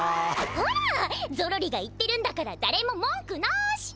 ほらゾロリが言ってるんだからだれも文句なし！